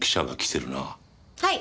はい。